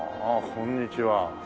こんにちは。